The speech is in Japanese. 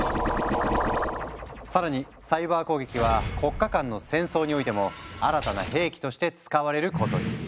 更にサイバー攻撃は国家間の戦争においても新たな兵器として使われることに。